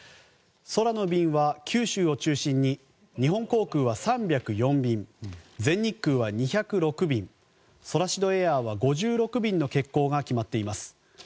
空の便は、九州を中心に日本航空は３０４便全日空は２０６便ソラシドエアは５６便の欠航が決まっています。